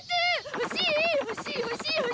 欲しい欲しい欲しい。